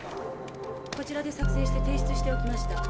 こちらで作成して提出しておきました。